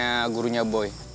ke gurunya boy